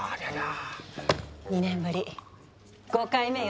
２年ぶり５回目よ。